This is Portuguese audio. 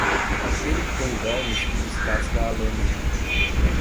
Aquele que tem vermes que descasca a lâmina.